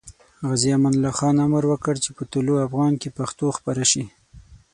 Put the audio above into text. غازي امان الله خان امر وکړ چې په طلوع افغان کې پښتو خپاره شي.